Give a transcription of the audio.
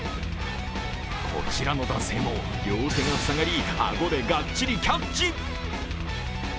こちらの男性も、両手が塞がり顎でがっちりキャッチ。